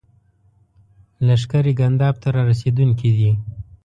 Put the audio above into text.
لښکرې ګنداب ته را رسېدونکي دي.